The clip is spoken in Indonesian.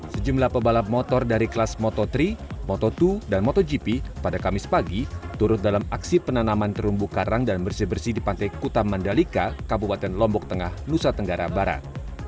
sejumlah pebalap motor dari kelas moto tiga moto dua dan motogp pada kamis pagi turut dalam aksi penanaman terumbu karang dan bersih bersih di pantai kuta mandalika kabupaten lombok tengah nusa tenggara barat